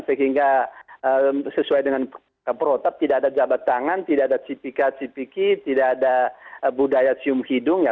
sehingga sesuai dengan protap tidak ada jabat tangan tidak ada cipika cipiki tidak ada budaya sium hidung ya